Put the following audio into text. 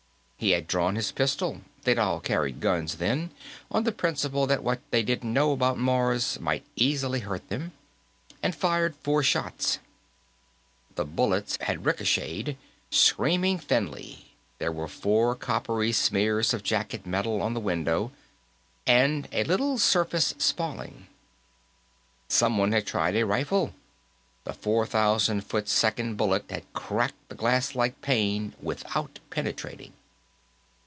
He had drawn his pistol they'd all carried guns, then, on the principle that what they didn't know about Mars might easily hurt them and fired four shots. The bullets had ricocheted, screaming thinly; there were four coppery smears of jacket metal on the window, and a little surface spalling. Somebody tried a rifle; the 4000 f.s. bullet had cracked the glasslike pane without penetrating.